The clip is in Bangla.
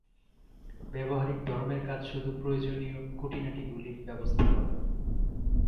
ব্যাবহারিক ধর্মের কাজ শুধু প্রয়োজনীয় খুঁটিনাটিগুলির ব্যবস্থা করা।